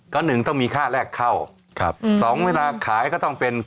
ก็หนึ่งต้องมีค่าแรกเข้าครับสองเวลาขายก็ต้องเป็น